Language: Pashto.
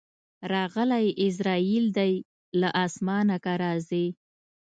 راغلی عزراییل دی له اسمانه که راځې